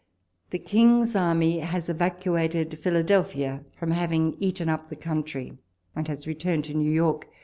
The King's army has evacuated Philadelphia, from having eaten up the country, and has returned to New York.